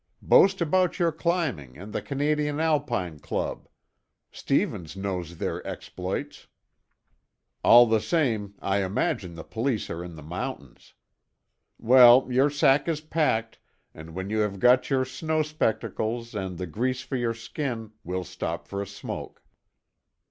Boast about your climbing and the Canadian Alpine Club; Stevens knows their exploits. All the same, I imagine the police are in the mountains. Well, your sack is packed, and when you have got your snow spectacles and the grease for your skin, we'll stop for a smoke."